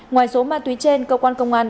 ngoài số ma túy trên cơ quan công an